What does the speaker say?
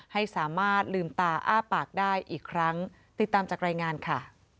ให้สามารถลืมตาอ้าปากได้อีกครั้งติดตามจากรายงานค่ะ